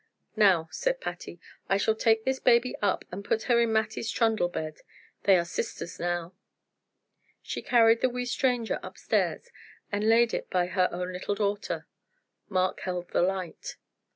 "Now," said Patty. "I shall take this baby up and put her in Mattie's trundle bed; they are sisters now." She carried the wee stranger up stairs and laid it by her own little daughter. Mark held the light.